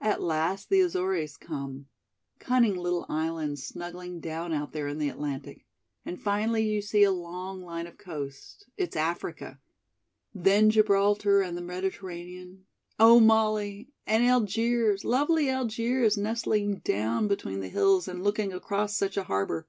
At last the Azores come cunning little islands snuggling down out there in the Atlantic and finally you see a long line of coast it's Africa; then Gibraltar and the Mediterranean oh, Molly and Algiers, lovely Algiers, nestling down between the hills and looking across such a harbor!